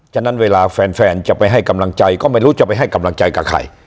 ฉะนั้นเวลาแฟนจะไปให้กำลังใจก็ไม่รู้จะไปให้กำลังใจกับใคร